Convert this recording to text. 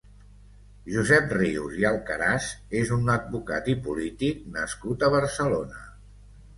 Josep Rius i Alcaraz és un advocat i polític nascut a Barcelona.